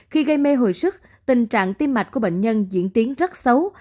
khi gây mê hồi sức tình trạng tim mạch của bệnh nhân diễn tiến rất xấu